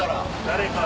誰か。